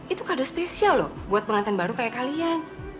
itu kado spesial loh buat pengantin baru kayak kalian